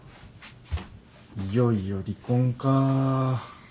いよいよ離婚か。